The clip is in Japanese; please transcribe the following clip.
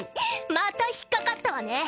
また引っ掛かったわね。